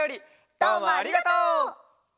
どうもありがとう！